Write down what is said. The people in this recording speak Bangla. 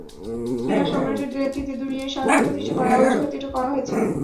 চীনা সম্রাটের নেতৃত্বে দুনিয়ায় শান্তি প্রতিষ্ঠা করার অজুহাতে এটা করা হয়েছে।